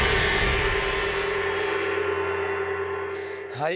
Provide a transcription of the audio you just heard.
はい。